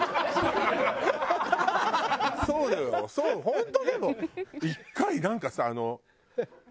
本当でも１回なんかさ何？